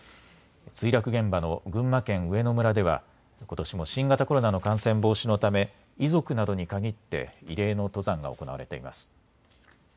墜落現場の群馬県上野村ではことしも新型コロナの感染防止のため遺族などに限って慰霊の登山が行われています。